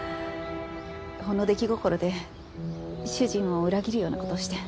ほんの出来心で主人を裏切るような事して。